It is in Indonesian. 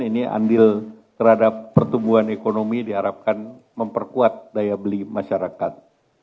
ini andil terhadap pertumbuhan ekonomi diharapkan memperkuat daya beli masyarakat